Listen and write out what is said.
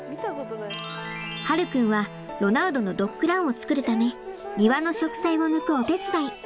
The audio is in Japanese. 葉琉君はロナウドのドッグランを作るため庭の植栽を抜くお手伝い。